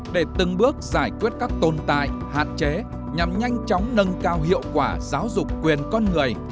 để từng bước giải quyết các tồn tại hạn chế nhằm nhanh chóng nâng cao hiệu quả giáo dục quyền con người